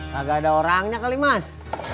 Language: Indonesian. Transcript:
kagak ada orangnya kali mas